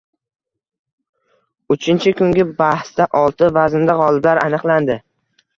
Uchinchi kungi bahsda olti vaznda g‘oliblar aniqlandi